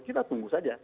kita tunggu saja